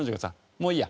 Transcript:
「もういいや」